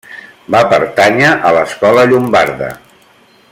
Va pertànyer a l'escola llombarda.